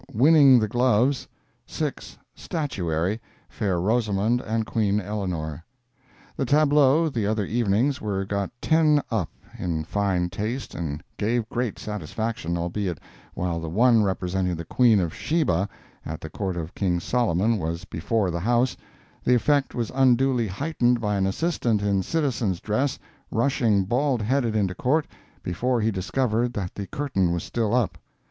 Winning the Gloves; 6. Statuary—Fair Rosamond and Queen Eleanor. The tableaux the other evening were got ten up in fine taste and gave great satisfaction, albeit while the one representing The Queen of Sheba at the Court of King Solomon, was before the house, the effect was unduly heightened by an assistant in citizen's dress rushing bald headed into Court, before he discovered that the curtain was still up.